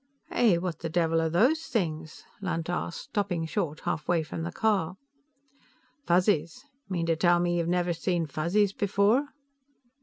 "Hey! What the devil are those things?" Lunt asked, stopping short halfway from the car. "Fuzzies. Mean to tell me you've never seen Fuzzies before?"